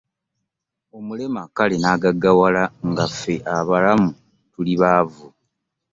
Omulema kale n'agaggawala nga ffe abalamu tuli baavu.